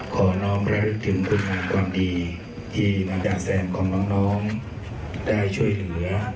ครออน้องพระฤทธิ์ถึงคุณราความดีที่หนอดาแสมของน้องได้ช่วยเหลือ